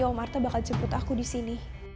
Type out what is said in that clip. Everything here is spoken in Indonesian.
om marta bakal jemput aku disini